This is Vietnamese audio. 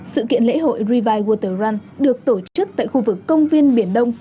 sự kiện lễ hội revive water run được tổ chức tại khu vực công viên biển đông